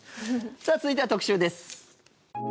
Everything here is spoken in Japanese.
さあ、続いては特集です。